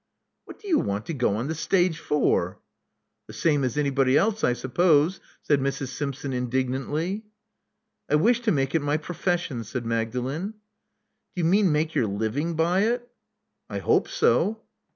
*'What do you want to go on the stage for?" "The same as anybody else, I suppose," said Mrs. Simpson indignantly. "I wish to make it my profession," said Magdalen. Do you mean make your living by it?" "I hope so."